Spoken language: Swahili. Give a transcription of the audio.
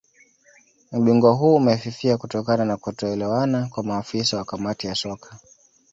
Ubingwa huu umefifia kutokana na kutoelewana kwa maafisa wa Kamati ya Soka